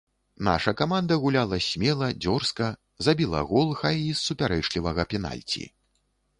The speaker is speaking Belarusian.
Наша каманда гуляла смела, дзёрзка, забіла гол, хай і з супярэчлівага пенальці.